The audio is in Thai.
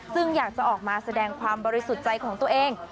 ซึ่งอยากจะออกมาแสดงความบริสุทธิ์ใจของตัวเอง